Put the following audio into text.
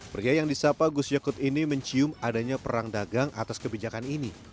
pria yang disapa gus yakut ini mencium adanya perang dagang atas kebijakan ini